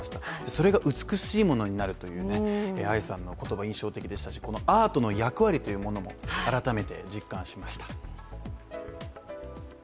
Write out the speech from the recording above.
それが美しいものになるという藍さんの言葉印象的でしたしこのアートの役割というものも改めて実感しました。